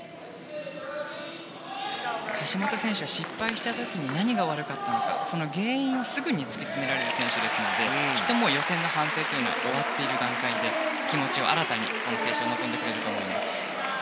橋本選手は失敗した時に何が悪かったのかその原因をすぐに突き詰められる選手ですのできっと予選の反省というのは終わっている段階で気持ち新たに臨んでくれると思います。